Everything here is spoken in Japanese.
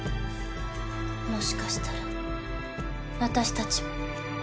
もしかしたら私たちも。